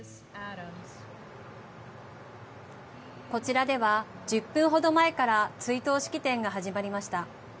こちらでは１０分ほど前から追悼式典が始まりました。